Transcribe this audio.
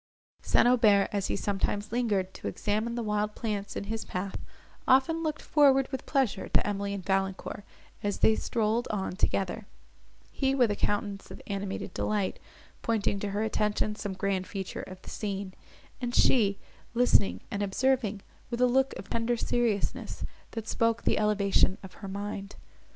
St. Aubert, as he sometimes lingered to examine the wild plants in his path, often looked forward with pleasure to Emily and Valancourt, as they strolled on together; he, with a countenance of animated delight, pointing to her attention some grand feature of the scene; and she, listening and observing with a look of tender seriousness, that spoke the elevation of her mind.